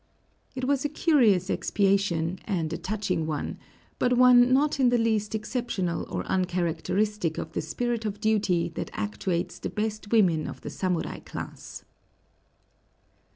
It was a curious expiation and a touching one, but one not in the least exceptional or uncharacteristic of the spirit of duty that actuates the best women of the samurai class.